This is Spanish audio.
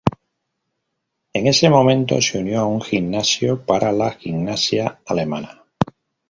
En ese momento, se unió a un gimnasio para la gimnasia alemana.